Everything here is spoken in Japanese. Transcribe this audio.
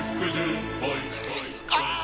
ああ！